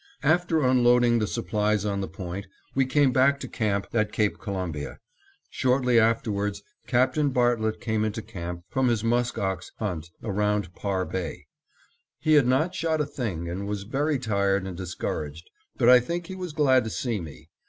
After unloading the supplies on the point, we came back to camp at Cape Columbia. Shortly afterwards Captain Bartlett came into camp from his musk ox hunt around Parr Bay. He had not shot a thing and was very tired and discouraged, but I think he was glad to see me.